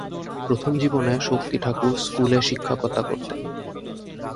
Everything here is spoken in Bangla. প্রথম জীবনে শক্তি ঠাকুর স্কুলে শিক্ষকতা করতেন।